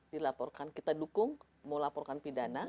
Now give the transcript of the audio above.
dilaporkan kita dukung melaporkan pidana